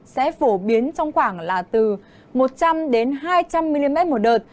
sẽ phổ biến trong khoảng là từ một trăm linh đến hai trăm linh mm một đợt